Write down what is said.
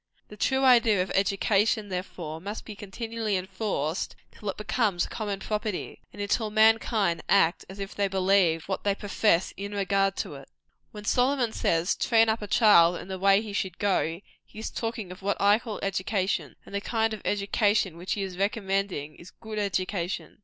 The true idea of education, therefore, must be continually enforced, till it becomes common property, and until mankind act as if they believed what they profess in regard to it. When Solomon says, "Train up a child in the way he should go," he is talking of what I call education; and the kind of education which he is there recommending, is good education.